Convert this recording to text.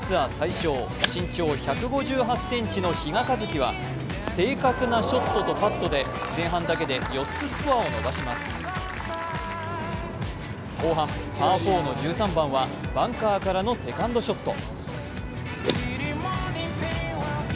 単独首位でスタートした国内男子ツアー最小身長１５８ｃｍの比嘉一貴は正確なショットとパットで、前半だけで４つスコアを伸ばします後半、パー４の１３番はバンカーからのセカンドショット。